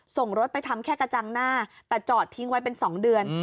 ส่งรถไปทำแค่กระจังหน้าแต่จอดทิ้งไว้เป็น๒เดือน